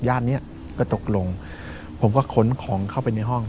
เนี้ยก็ตกลงผมก็ขนของเข้าไปในห้อง